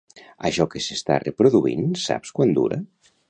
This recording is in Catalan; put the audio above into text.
Això que s'està reproduint saps quant dura?